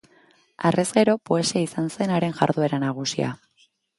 Harrez gero poesia izan zen haren jarduera nagusia.